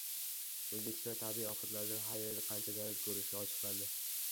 O‘zbekiston tabiiy ofatlardan har yili qancha zarar ko‘rishi ochiqlandi